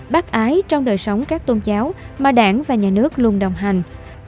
bác ái trong đời sống các tôn giáo mà đảng và nhà nước luôn đồng hành